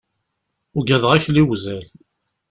Ugadeɣ akli uzal.